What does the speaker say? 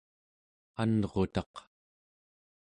anrutaq